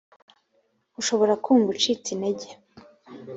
ushobora kumva ucitse intege